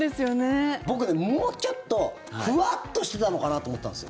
僕ね、もうちょっとふわっとしてたのかなと思ったんですよ。